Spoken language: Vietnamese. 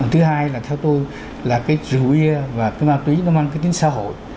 thứ hai là theo tôi là cái rượu bia và cái ma túy nó mang cái tính xã hội